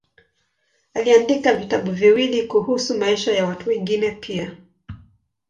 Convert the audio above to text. Aliandika vitabu viwili kuhusu maisha ya watu wengine pia.